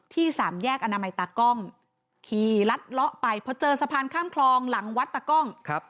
สามแยกอนามัยตากล้องขี่ลัดเลาะไปพอเจอสะพานข้ามคลองหลังวัดตากล้อง